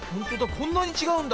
こんなにちがうんだ。